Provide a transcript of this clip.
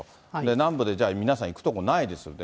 南部でじゃあ、皆さん行くとこないですよね。